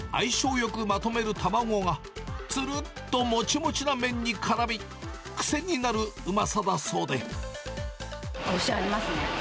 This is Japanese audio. よくまとめる卵がつるっともちもちな麺にからみ、こしありますね。